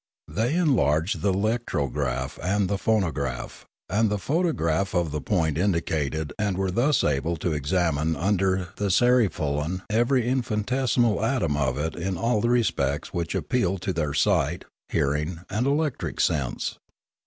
They enlarged the elect rograph, the phonograph, and the photograph of the point indicated and were thus able to examine under the sarifolan every infinitesimal atom of it in all the aspects which appealed to their sight, hearing, and electric sense.